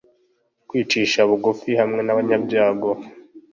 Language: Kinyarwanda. Kwicisha bugufi hamwe n’abanyabyago